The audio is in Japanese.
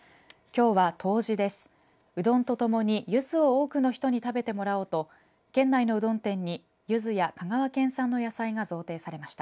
うどんと共に、ゆずを多くの人に食べてもらおうと県内のうどん店にゆずや香川県産の野菜が贈呈されました。